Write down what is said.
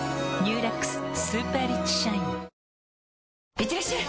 いってらっしゃい！